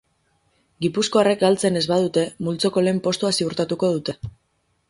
Gipuzkoarrek galtzen ez badute multzoko lehen postua ziurtatuko dute.